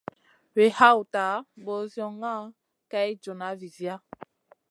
Wi hawta ɓozioŋa kay joona viziya.